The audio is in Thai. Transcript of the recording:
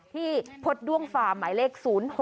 ที่พจดุ้งฟาร์มหมายเลข๐๖๓๙๑๖๙๓๙๙